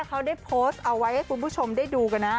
เขาได้โพสต์เอาไว้ให้คุณผู้ชมได้ดูกันนะ